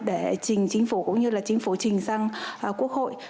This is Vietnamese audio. để chính phủ trình sang quốc hội